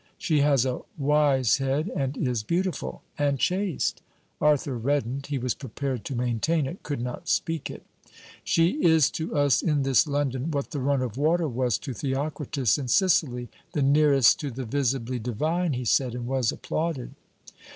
'She has a wise head and is beautiful.' 'And chaste.' Arthur reddened: he was prepared to maintain it, could not speak it. 'She is to us in this London, what the run of water was to Theocritus in Sicily: the nearest to the visibly divine,' he said, and was applauded.